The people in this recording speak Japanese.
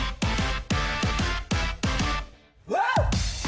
ワン！